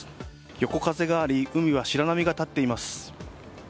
横風があり海は白波が立っています。